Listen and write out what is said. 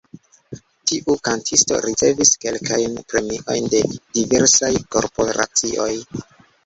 Tiu kantisto ricevis kelkajn premiojn de diversaj korporacioj.